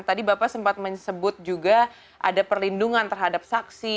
tadi bapak sempat menyebut juga ada perlindungan terhadap saksi